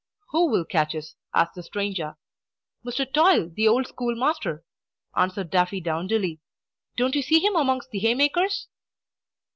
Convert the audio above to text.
"Who will catch us?" asked the stranger. "Mr. Toil, the old schoolmaster!" answered Daffydowndilly. "Don't you see him amongst the haymakers?"